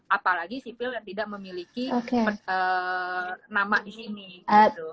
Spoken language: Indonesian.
apalagi sipil yang tidak memiliki nama di sini gitu